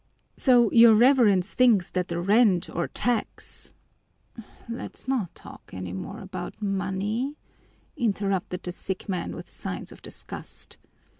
"So your Reverence thinks that the rent or tax " "Let's not talk any more about money," interrupted the sick man with signs of disgust.